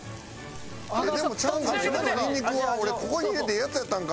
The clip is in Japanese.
でもちゃんと今のにんにくは俺ここに入れてええやつやったんか？